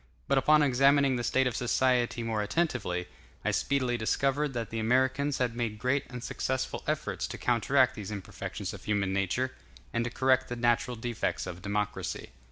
But upon examining the state of society more attentively, I speedily discovered that the Americans had made great and successful efforts to counteract these imperfections of human nature, and to correct the natural defects of democracy.